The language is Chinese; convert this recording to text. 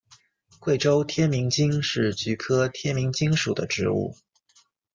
贵州天名精是菊科天名精属的植物。